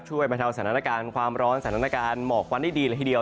ช่วยมาเท่าสถานการณ์ความร้อนสถานการณ์เหมาะควันดีละทีเดียว